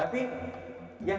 pasti punya kan